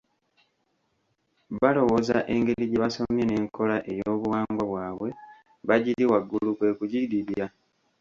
Balowooza engeri gye basomye n’enkola ey’obuwangwa bwabwe bagiri waggulu kwe kugidibya.